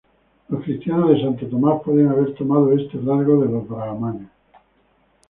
Los cristianos de Santo Tomás pueden haber tomado este rasgo de los brahmanes.